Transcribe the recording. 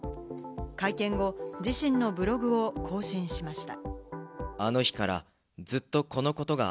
会見後、自身のブログを更新しました。